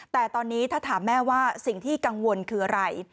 แต่ตอนนี้ถ้าถามแม่ว่าสิ่งที่กังวลคืออะไร